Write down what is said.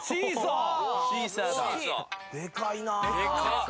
・でかいな。